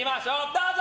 どうぞ。